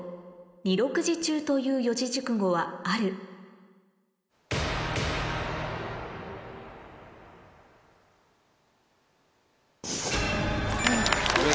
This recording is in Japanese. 「二六時中」という四字熟語はあるうん。